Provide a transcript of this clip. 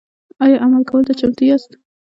ایا عمل کولو ته چمتو یاست؟